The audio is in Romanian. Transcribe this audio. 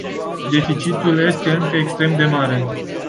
Deficitul este încă extrem de mare.